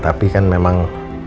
tapi kan memang